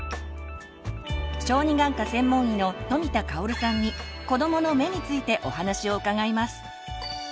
小児眼科専門医の富田香さんに「子どもの目」についてお話を伺います。